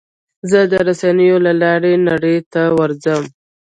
زه د رسنیو له لارې نړۍ ته ورځم.